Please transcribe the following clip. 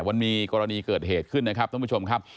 มันมีกรณีเกิดเหตุขึ้นนะครับท่านผู้ชมครับ